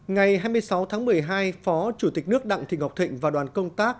ngày hai mươi sáu tháng một mươi hai phó chủ tịch nước đặng thị ngọc thịnh và đoàn công tác